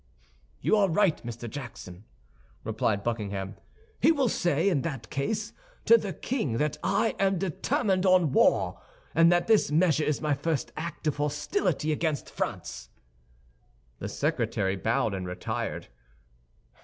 "You are right, Mr. Jackson," replied Buckingham. "He will say, in that case, to the king that I am determined on war, and that this measure is my first act of hostility against France." The secretary bowed and retired.